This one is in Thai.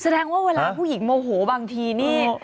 แสดงว่าเวลาผู้หญิงโมโหบางทีนี่